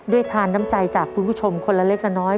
ทานน้ำใจจากคุณผู้ชมคนละเล็กละน้อย